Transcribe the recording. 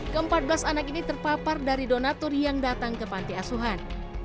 keempat belas anak ini terpapar dari donatur yang datang ke panti asuhan